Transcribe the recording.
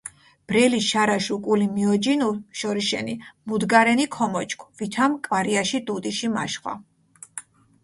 ბრელი შარაშ უკული მიოჯინუ შორიშენი, მუდგარენი ქომოჩქ, ვითამ კვარიაში დუდიში მაშხვა.